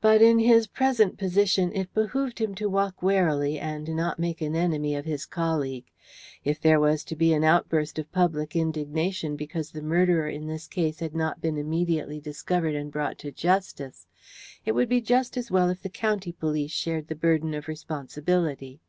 But in his present position it behoved him to walk warily and not make an enemy of his colleague. If there was to be an outburst of public indignation because the murderer in this case had not been immediately discovered and brought to justice, it would be just as well if the county police shared the burden of responsibility.